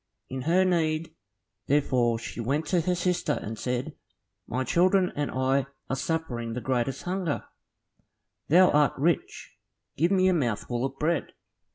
In her need, therefore, she went to her sister, and said, "My children and I are suffering the greatest hunger; thou art rich, give me a mouthful of bread."